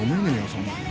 そんなに。